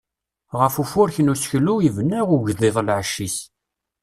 Ɣef ufurek n useklu, yebna ugḍiḍ lɛecc-is.